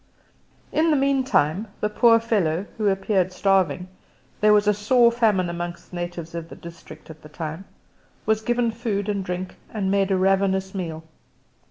In the meantime the poor fellow, who appeared starving there was a sore famine among the natives of the district at the time was given food and drink, and made a ravenous meal.